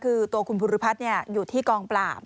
คือตัวคุณภูริพัฒน์อยู่ที่กองปราบ